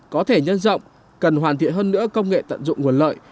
có thể nhân rộng cần hoàn thiện hơn nữa công nghệ tận dụng nguồn lợi